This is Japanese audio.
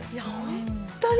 本当に。